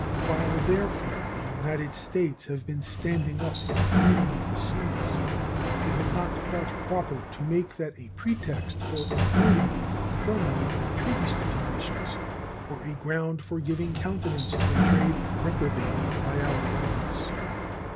While, therefore, the United States have been standing up for the freedom of the seas, they have not thought proper to make that a pretext for avoiding a fulfillment of their treaty stipulations or a ground for giving countenance to a trade reprobated by our laws.